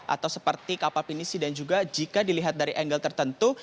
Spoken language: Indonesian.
atau seperti kapal pinisi dan juga jika dilihat dari angle tertentu